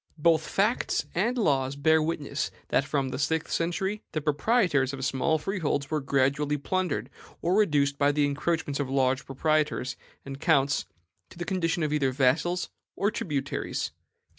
"Both facts and laws bear witness that from the sixth to the tenth century the proprietors of small freeholds were gradually plundered, or reduced by the encroachments of large proprietors and counts to the condition of either vassals or tributaries.